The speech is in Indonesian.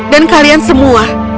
dan kalian semua